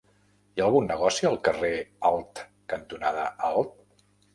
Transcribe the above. Hi ha algun negoci al carrer Alt cantonada Alt?